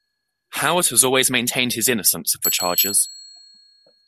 Howard has always maintained his innocence of the charges.